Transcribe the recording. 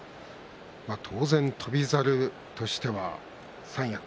当然、翔猿としては三役。